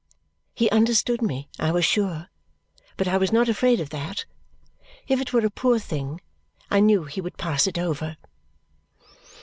He understood me, I was sure; but I was not afraid of that. If it were a poor thing, I knew he would pass it over.